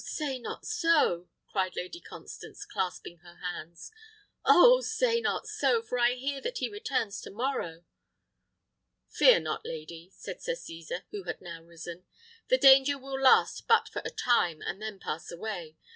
say not so," cried Lady Constance, clasping her hands; "oh! say not so, for I hear that he returns to morrow." "Fear not, lady," said Sir Cesar, who had now risen; "the danger will last but for a time, and then pass away.